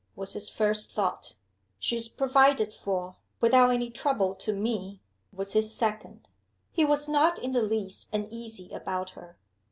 was his first thought. "She's provided for, without any trouble to Me!" was his second. He was not in the least uneasy about her.